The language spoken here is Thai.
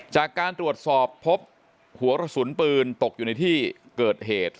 จากการตรวจสอบพบหัวกระสุนปืนตกอยู่ในที่เกิดเหตุ